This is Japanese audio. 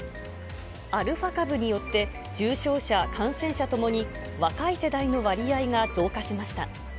アルファ株によって重症者、感染者ともに、若い世代の割合が増加しました。